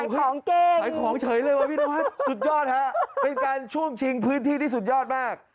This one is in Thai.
ขายของเก่งสุดยอดฮะเป็นการช่วงชิงพื้นที่ที่สุดยอดมาก